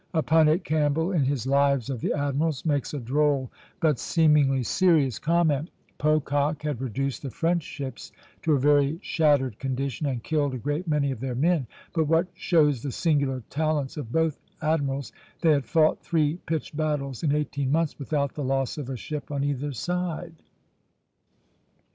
Upon it Campbell, in his "Lives of the Admirals," makes a droll, but seemingly serious, comment: "Pocock had reduced the French ships to a very shattered condition, and killed a great many of their men; but what shows the singular talents of both admirals, they had fought three pitched battles in eighteen months without the loss of a ship on either side."